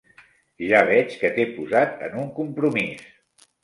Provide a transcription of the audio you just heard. Ja veig que t'he posat en un compromís.